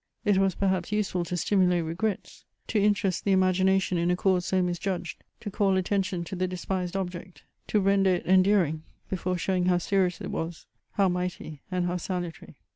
It was perhaps useful to stimulate regrets, to interest the imagination in a cause so misjudged, to call attention to the despised object, to render it endearing before showing how serious it was, how mighty and how salutary.